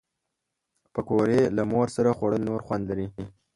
پکورې له مور سره خوړل نور خوند لري